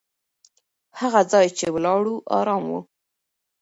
هغه ځای چې ولاړو، ارام و.